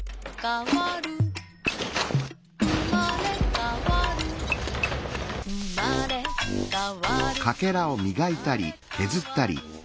「うまれかわるうまれかわる」